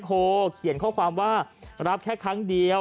นี่นี่เดี๋ยว